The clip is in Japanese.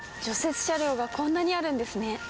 雪車両がこんなにあるんですね。